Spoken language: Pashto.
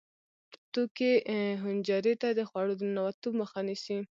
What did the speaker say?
توکې حنجرې ته د خوړو د ننوتو مخه نیسي.